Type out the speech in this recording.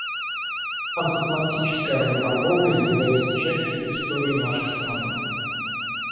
Трансатлантическая работорговля является частью истории нашей страны.